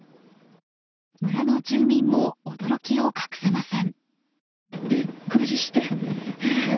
村の住民も驚きを隠せません。